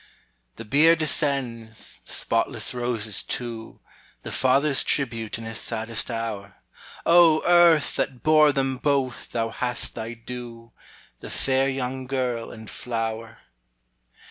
The bier descends, the spotless roses too, The father's tribute in his saddest hour: O Earth! that bore them both, thou hast thy due, The fair young girl and flower.